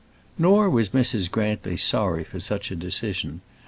Nor was Mrs. Grantly sorry for such a decision.